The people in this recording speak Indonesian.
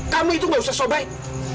kamu itu gak usah sobaik